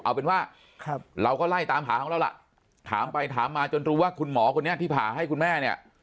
เอาเป็นว่าเราก็ไล่ตามหาของเราล่ะถามไปถามมาจนรู้ว่าคุณหมอคนนี้ที่ผ่าให้คุณแม่เนี่ย